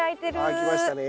あきましたね。